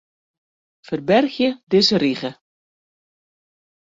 Ferbergje dizze rige.